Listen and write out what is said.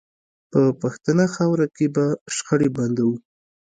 په پښتنه خاوره کې به شخړې بندوو